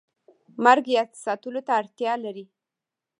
مرګ یاد ساتلو ته اړتیا لري